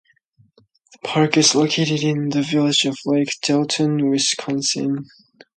The park is located in the village of Lake Delton, Wisconsin.